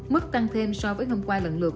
mức tăng thêm so với hôm qua lần lượt